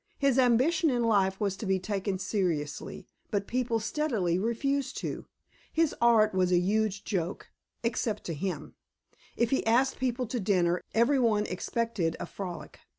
His ambition in life was to be taken seriously, but people steadily refused to. His art was a huge joke except to himself. If he asked people to dinner, every one expected a frolic.